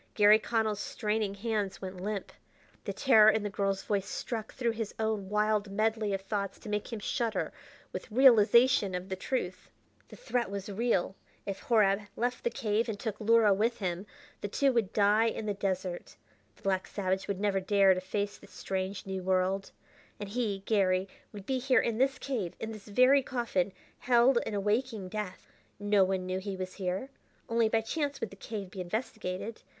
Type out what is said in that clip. Garry Connell's straining hands went limp. The terror in the girl's voice struck through his own wild medley of thoughts to make him shudder with realization of the truth. The threat was real! If Horab left the cave and took Luhra with him, the two would die in the desert. The black savage would never dare to face the strange, new world. And he, Garry, would be here in this cave, in this very coffin, held in a waking death. No one knew he was here; only by chance would the cave be investigated.